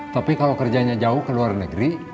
tapi kalau kerjanya jauh ke luar negeri